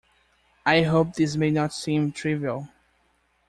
I hope this may not seem trivial.